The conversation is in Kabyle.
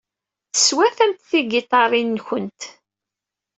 Teswatamt tigiṭarin-nwent.